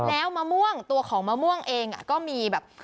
แล้วมะม่วงตัวของมะม่วงเองก็มีแบบ